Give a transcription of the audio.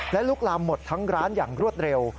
และลุกลามหมดทั้งร้านอย่างรวดเร็ว